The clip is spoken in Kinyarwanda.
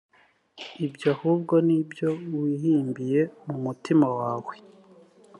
ibyo ahubwo ni ibyo wihimbiye mu mutima wawe